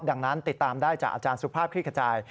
ดังนั้นติดตามได้จากอาจารย์สุภาพคลิกขจาย